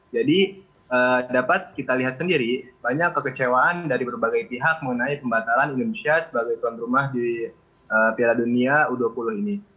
jadi dapat kita lihat sendiri banyak kekecewaan dari berbagai pihak mengenai pembatalan indonesia sebagai tuan rumah di piala dunia u dua puluh ini